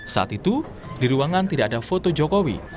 saat itu di ruangan tidak ada foto jokowi